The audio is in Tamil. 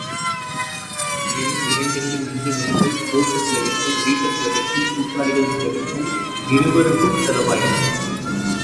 மேலும் இரண்டிரண்டு நஞ்சை நிலங்கள், கோர்ட்டு செலவிற்கும், வீட்டு செலவிற்கும், கூட்டாளிகளின் செலவிற்கும், இருவர்க்கும் செலவாயின.